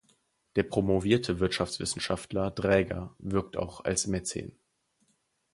Der promovierte Wirtschaftswissenschaftler Dräger wirkte auch als Mäzen.